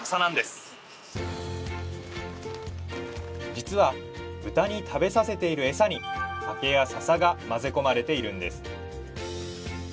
実は豚に食べさせているエサに竹や笹が混ぜ込まれているんです